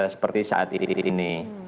seperti saat ini